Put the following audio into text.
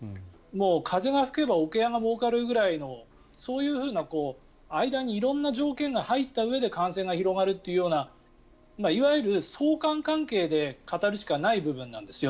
風が吹けば桶屋がもうかるくらいのそういうふうな間に色んな条件が入ったうえで感染が広がるといういわゆる相関関係で語るしかない部分なんですよ。